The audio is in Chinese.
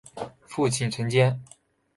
父亲陈谦。